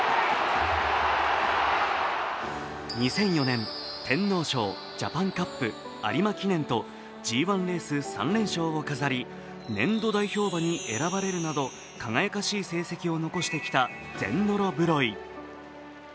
２００４年、天皇賞、ジャパンカップ、有馬記念とＧⅠレース３連勝を飾り年度代表馬に選ばれるなど輝かしい成績を残してきたゼンノロブロイ。